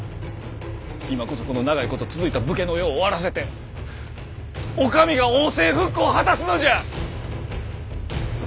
今こそこの長いこと続いた武家の世を終わらせてお上が王政復古を果たすのじゃ！